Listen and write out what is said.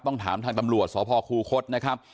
ต้องถามทางตำรวจสพคูคศนะครับ